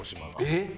えっ？